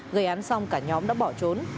gây án xong cả nhóm đã bỏ trốn